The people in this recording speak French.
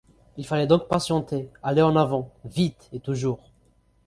Il fallait donc patienter, aller en avant, vite et toujours.